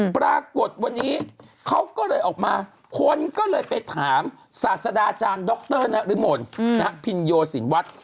ปรากฏวันนี้เขาก็เลยออกมาคนก็เลยไปถามศาสดาอาจารย์ดรนริมลพินโยสินวัฒน์